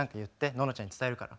ののちゃんに伝えるから。